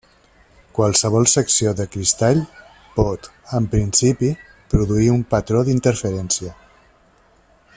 Qualsevol secció de cristall pot, en principi, produir un patró d'interferència.